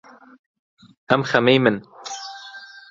ئەم خەمەی من